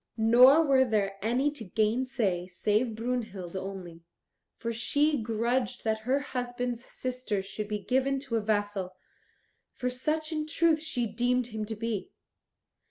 Nor were there any to gainsay save Brunhild only, for she grudged that her husband's sister should be given to a vassal, for such in truth she deemed him to be.